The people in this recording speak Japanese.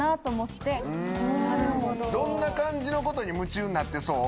どんな感じのことに夢中になってそう？